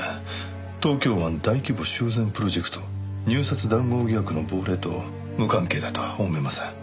東京湾大規模修繕プロジェクト入札談合疑惑の亡霊と無関係だとは思えません。